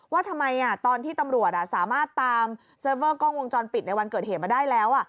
ว่าทำไมตอนที่ตำรวจสามารถตามเซิร์ฟเวอร์กล้องวงจรปิดในวันเกิดเหตุมาได้แล้ว